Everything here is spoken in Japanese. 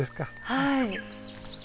はい。